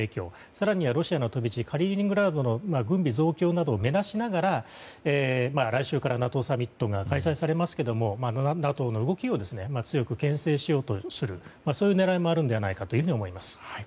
更にはロシアの飛び地カリーニングラードへの軍備増強などを目指しながら来週からＮＡＴＯサミットが開催されますがＮＡＴＯの動きを強くけん制しようとする狙いもあるのではと思います。